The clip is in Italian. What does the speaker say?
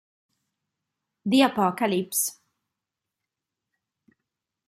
The Apocalypse